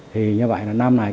thì như vậy là năm nay